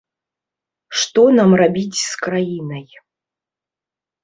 Што нам рабіць з краінай.